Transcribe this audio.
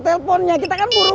teleponnya kita kan buru buru